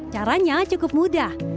caranya cukup mudah